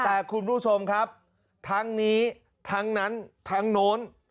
แต่คุณผู้ชมครับทั้งนี้ทั้งนั้นทั้งโน้น